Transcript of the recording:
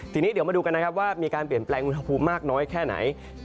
ทีนี้เดี๋ยวมาดูกันนะครับว่ามีการเปลี่ยนแปลงอุณหภูมิมากน้อยแค่ไหน